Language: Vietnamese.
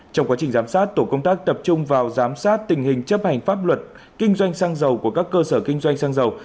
trong quá trình giám sát tổ công tác tập trung vào giám sát tình hình chấp hành pháp luật kinh doanh xăng dầu của các cơ sở kinh doanh xăng dầu